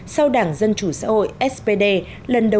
sau đảng dân chủ xã hội spd